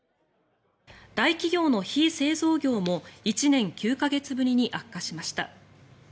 大企業の非製造業も１年９か月ぶりに悪化しました。